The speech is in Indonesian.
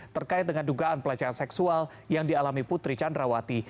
terkait dengan dugaan pelecehan seksual yang dialami putri candrawati